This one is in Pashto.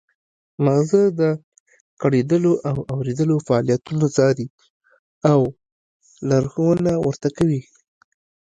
مغزه د ګړیدلو او اوریدلو فعالیتونه څاري او لارښوونه ورته کوي